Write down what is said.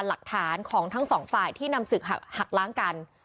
หลักฐานของทั้งสองฝ่ายที่นำศึกหักล้างกัน